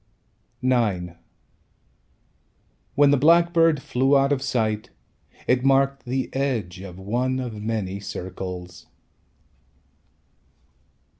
IX When the blackbird flew out of sight, It marked the edge Of one of many circles.